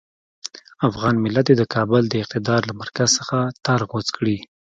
افغان ملت دې د کابل د اقتدار له مرکز څخه تار غوڅ کړي.